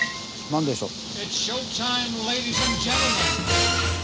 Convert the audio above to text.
何でしょう。